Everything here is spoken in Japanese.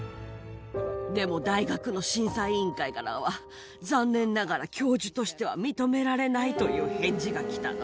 でも、大学の審査委員会からは、残念ながら教授としては認められないという返事が来たの。